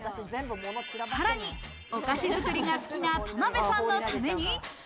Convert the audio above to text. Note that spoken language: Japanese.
さらに、お菓子作りが好きな田辺さんのために。